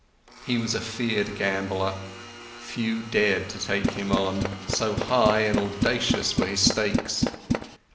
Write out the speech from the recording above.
He was a feared gambler, few dared to take him on, so high and audacious were his stakes.